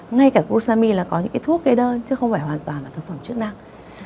ngay cả glucosamine là có những thuốc kế đơn chứ không phải hoàn toàn là thực phẩm chức năng